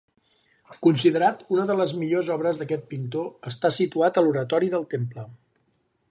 Considerat una de les millors obres d'aquest pintor, està situat a l'oratori del temple.